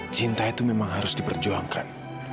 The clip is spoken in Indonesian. cinta itu memang harus diperjuangkan